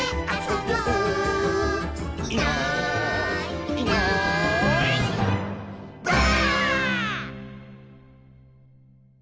「いないいないばあっ！」